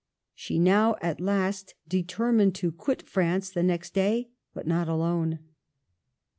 She now, at last, determined to quit France the next day, but not alone.